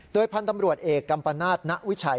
พันธุ์ตำรวจเอกกัมปนาศณวิชัย